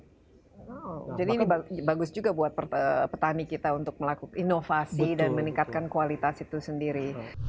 oh jadi ini bagus juga buat petani kita untuk melakukan inovasi dan meningkatkan kualitas itu sendiri